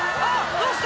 どうした？